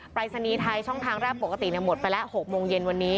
รายศนีย์ไทยช่องทางแรกปกติหมดไปแล้ว๖โมงเย็นวันนี้